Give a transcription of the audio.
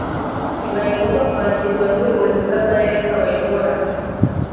iba igomba kwakirwa n'ubuyobozi bw'akarere kabayobora